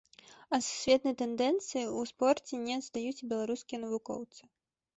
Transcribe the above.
Ад сусветнай тэндэнцыі ў спорце не адстаюць і беларускія навукоўцы.